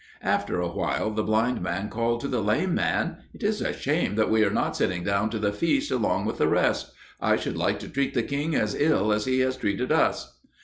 After a while the blind man called to the lame man, "It is a shame that we are not sitting down to the feast along with the rest! I should like to treat the king as ill as he has treated us."